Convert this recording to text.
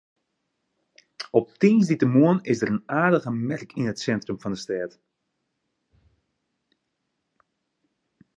Op tiisdeitemoarn is der in aardige merk yn it sintrum fan de stêd.